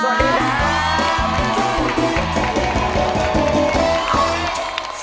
สวัสดีครับ